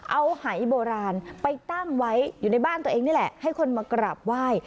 เอาหายโบราณไปตั้งไว้อยู่ในบ้านตัวเองนี่แหละให้คนมากราบไหว้